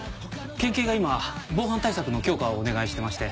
県警が今防犯対策の強化をお願いしてまして。